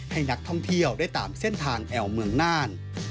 ให้นักท่องเที่ยวได้ตามเส้นทางแอวเมืองน่าน